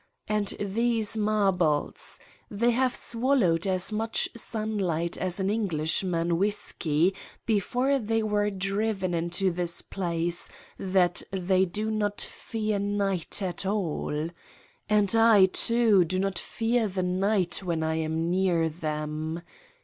And these marbles! They have swallowed as much sunlight as an Englishman whiskey before they were driven into this place that they do not fear ii^ht at all. ... And I, too, do not fear the night when I am near them.